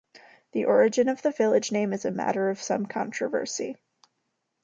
The origin of the village name is a matter of some controversy.